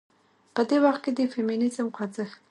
په دې وخت کې د فيمينزم خوځښت